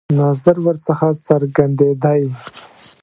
نظر ورڅخه څرګندېدی.